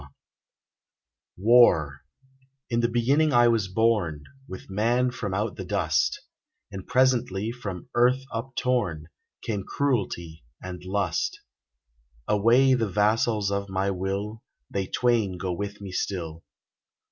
107 WAR Tn the beginning was I born, With man from out the dust ; And presently, from earth uptorn, Came Cruelty and Liist. Alway, the vassals of my will, They twain go with me still.